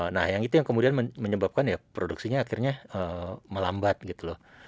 nah yang itu yang kemudian menyebabkan ya produksinya akhirnya melambat gitu loh